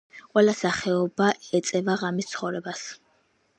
ყველა სახეობა ეწევა ღამის ცხოვრებას.